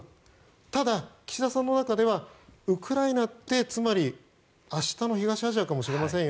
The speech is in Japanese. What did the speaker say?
ただ、岸田さんの中ではウクライナってつまり、明日の東アジアかもしれませんよ